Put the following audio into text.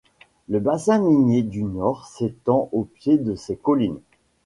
Le bassin minier du Nord s'étend au pied de ces collines.